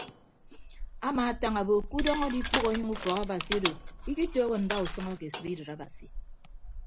Amaatañ obo ke udọñ adikpʌghọ anyịñ ufọk abasi odo ikitooho ndausʌñ ake sibidịt abasi.